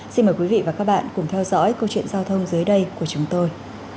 xin mời quý vị và các bạn cùng theo dõi câu chuyện giao thông dưới đây của chúng tôi